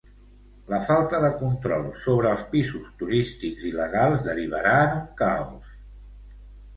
La falta de control sobre els pisos turístics il·legals derivarà en un caos.